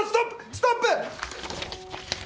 ストップ！